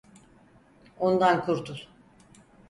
Ondan kurtul.